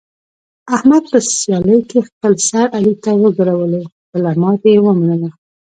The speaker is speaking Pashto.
احمد په سیالۍ کې خپل سر علي ته وګرولو، خپله ماتې یې و منله.